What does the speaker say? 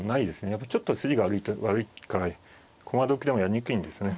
やっぱちょっと筋が悪いから駒得でもやりにくいんですね。